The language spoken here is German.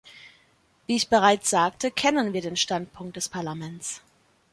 Wie ich bereits sagte, kennen wir den Standpunkt des Parlaments.